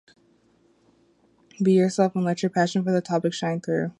Be yourself and let your passion for the topic shine through.